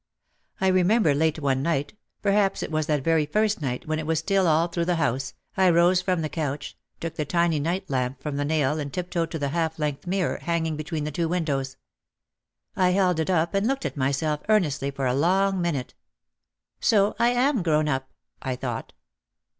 I remember late one night, perhaps it was that very first night, when it was still all through the house, I rose from the couch, took the tiny night lamp from the nail and tiptoed to the half length mirror hanging between the two windows. I held it up and looked at myself ear nestly for a long minute. "So I am grown up," I thought.